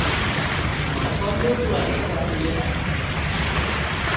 মার্কণ্ডেয় পুরাণ-এ তাঁর উল্লেখ আছে।